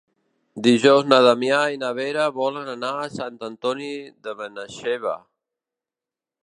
Dijous na Damià i na Vera volen anar a Sant Antoni de Benaixeve.